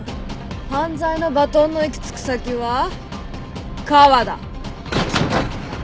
犯罪のバトンの行き着く先は河田。